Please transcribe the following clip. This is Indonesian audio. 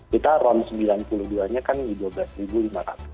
kita ron sembilan puluh dua nya kan di rp dua belas lima ratus